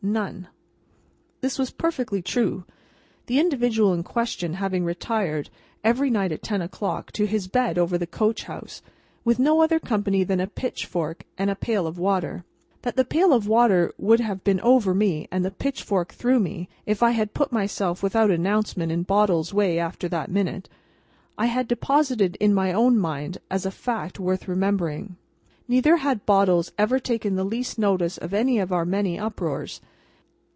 None." This was perfectly true; the individual in question having retired, every night at ten o'clock, to his bed over the coach house, with no other company than a pitchfork and a pail of water. That the pail of water would have been over me, and the pitchfork through me, if I had put myself without announcement in Bottles's way after that minute, I had deposited in my own mind as a fact worth remembering. Neither had Bottles ever taken the least notice of any of our many uproars.